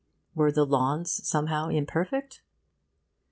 Were the lawns somehow imperfect?